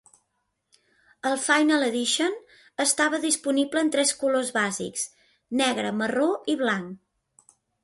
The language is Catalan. El "Final Edition" estava disponible en tres colors bàsics: negre, marró i blanc.